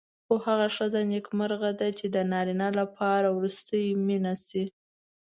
خو هغه ښځه نېکمرغه ده چې د نارینه لپاره وروستۍ مینه شي.